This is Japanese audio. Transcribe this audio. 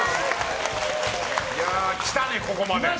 来たね、ここまで。